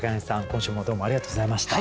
今週もどうもありがとうございました。